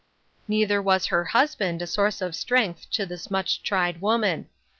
Neither was her husband a source of strength to this much tried woman.